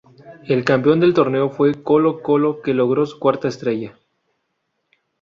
El campeón del torneo fue Colo-Colo, que logró su cuarta estrella.